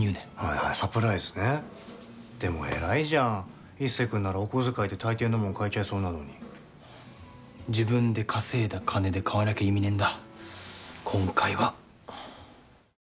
はいサプライズねでも偉いじゃん壱成君ならお小遣いで大抵のもの買えちゃいそうなのに自分で稼いだ金で買わなきゃ意味ねえんだ